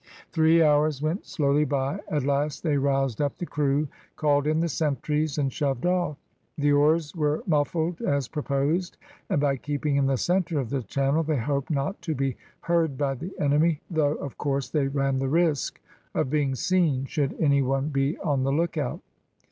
Three hours went slowly by; at last they roused up the crew, called in the sentries, and shoved off. The oars were muffled as proposed, and by keeping in the centre of the channel they hoped not to be heard by the enemy, though, of course, they ran the risk of being seen should any one be on the lookout.